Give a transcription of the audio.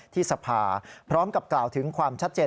ที่สภาพร้อมกับกล่าวถึงความชัดเจน